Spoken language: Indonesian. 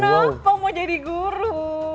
kenapa mau jadi guru